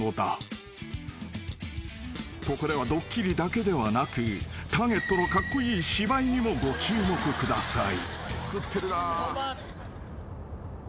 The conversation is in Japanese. ［とこれはドッキリだけではなくターゲットのカッコイイ芝居にもご注目ください］